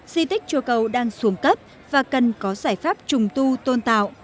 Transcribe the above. di tích chùa cầu đang xuống cấp và cần có giải pháp trùng tu tôn tạo